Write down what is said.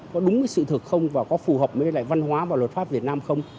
có đúng cái sự thực không và có phù hợp với lại văn hóa và luật pháp việt nam không